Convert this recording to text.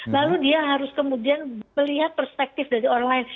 lalu dia harus kemudian melihat perspektif dari orang lain